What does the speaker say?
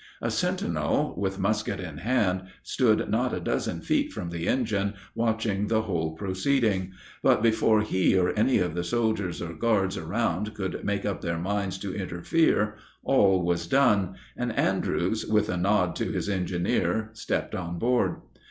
A sentinel, with musket in hand, stood not a dozen feet from the engine, watching the whole proceeding; but before he or any of the soldiers or guards around could make up their minds to interfere all was done, and Andrews, with a nod to his engineer, stepped on board.